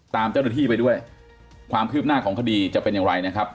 ตามเจ้าหน้าที่ไปด้วยความคืบหน้าของคดีจะเป็นอย่างไรนะครับ